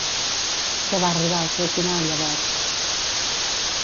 Què va arribar al seu final llavors?